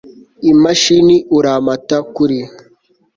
imashini urampata Kuri